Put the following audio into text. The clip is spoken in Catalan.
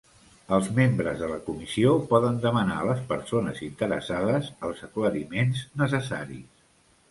Els membres de la Comissió poden demanar a les persones interessades els aclariments necessaris.